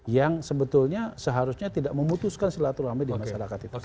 yang sebetulnya seharusnya tidak memutuskan silaturahmi di masyarakat itu